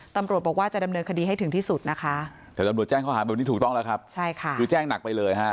ตำรวจบอกว่าจะดำเนินคดีให้ถึงที่สุดนะคะแต่ตำรวจแจ้งข้อหาแบบนี้ถูกต้องแล้วครับใช่ค่ะคือแจ้งหนักไปเลยฮะ